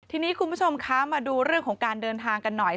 ทีนี้คุณผู้ชมคะมาดูเรื่องของการเดินทางกันหน่อย